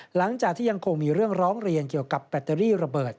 หลังจากที่ยังคงมีเรื่องร้องเรียนเกี่ยวกับแบตเตอรี่ระเบิด